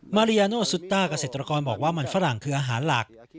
มาริยาโนซุตต้าเกษตรกรบอกว่ามันฝรั่งคืออาหารหลัก